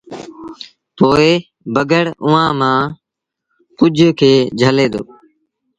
پوء بگھڙ اُئآݩٚ مآݩٚ ڪجھ کي جھلي دو